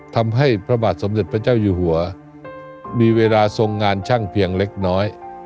พระบาทสมเด็จพระเจ้าอยู่หัวมีเวลาทรงงานช่างเพียงเล็กน้อย